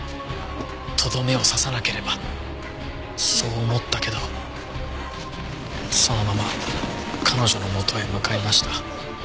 とどめを刺さなければそう思ったけどそのまま彼女のもとへ向かいました。